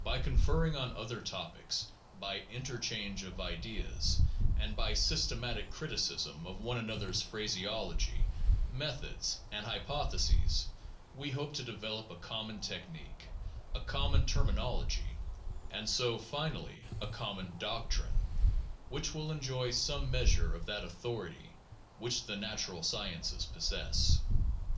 By conferring on other topics, by interchange of ideas, and by systematic criticism of one another's phraseology, methods, and hy potheses, we hope to develop a common technique, a common termin ology, and so finally a common doctrine which will enjoy some meas ure of that authority which the natural sciences possess.